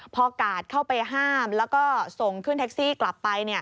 พอกาดเข้าไปห้ามแล้วก็ส่งขึ้นแท็กซี่กลับไป